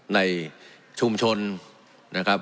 ในชุมชนนะครับ